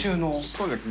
そうですね。